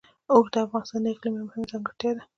اوښ د افغانستان د اقلیم یوه مهمه ځانګړتیا ده.